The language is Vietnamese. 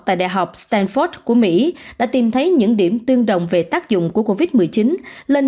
tại đại học stanford của mỹ đã tìm thấy những điểm tương đồng về tác dụng của covid một mươi chín lên